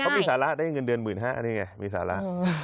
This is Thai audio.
เออเขามีสาระได้เงินเดือนหมื่นห้านี่ไงมีสาระ